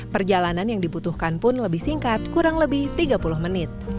perjalanan yang dibutuhkan pun lebih singkat kurang lebih tiga puluh menit